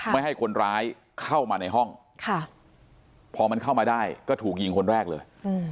ไม่ให้คนร้ายเข้ามาในห้องพอมันเข้ามาได้ก็ถูกยิงคนแรกเลย